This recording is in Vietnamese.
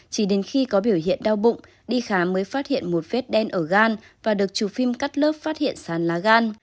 chỉ đến khi có biểu hiện đau bụng đi khám mới phát hiện một vết đen ở gan và được chụp phim cắt lớp phát hiện sàn lá gan